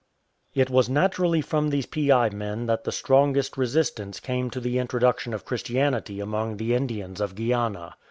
It was naturally from these piai men that the strongest resistance came to the introduction of Christianity among the Indians of Guiana.